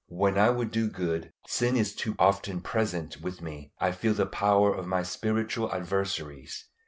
When I would do good, sin is too often present with me. I feel the power of my spiritual adversaries.